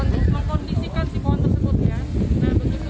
untuk menyiapkan mengkondisikan si pohon tersebut